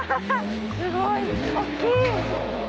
すごい！大っきい！